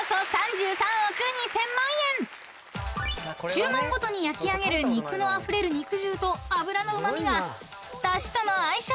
［注文ごとに焼き上げる肉のあふれる肉汁と脂のうま味がだしとの相性抜群。